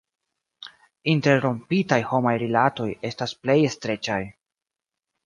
Interrompitaj homaj rilatoj estas plej streĉaj.